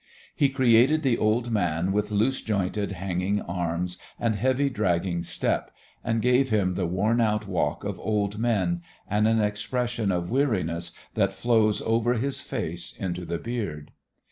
He created the old man with loose jointed hanging arms and heavy dragging step, and gave him the worn out walk of old men and an expression of weariness that flows over his face into the beard.